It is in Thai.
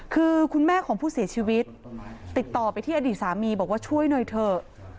คือคุณแม่ของผู้เสียชีวิตติดต่อไปที่อดีตสามีบอกว่าช่วยหน่อยเถอะ